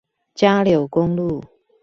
嘉柳公路